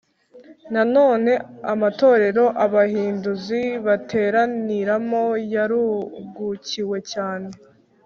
Nanone amatorero abahinduzi bateraniramo yarungukiwe cyane